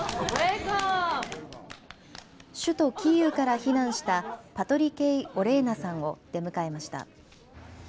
首都キーウから避難したパトリケイ・オレーナさんを出迎えました。